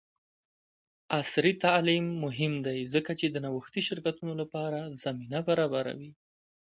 عصري تعلیم مهم دی ځکه چې د نوښتي شرکتونو لپاره زمینه برابروي.